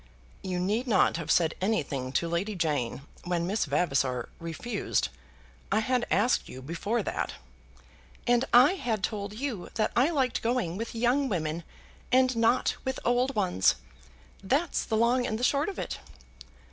"You need not have said anything to Lady Jane when Miss Vavasor refused. I had asked you before that." "And I had told you that I liked going with young women, and not with old ones. That's the long and the short of it."